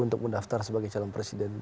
untuk mendaftar sebagai calon presiden